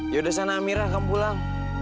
ya udah sana amira kamu pulang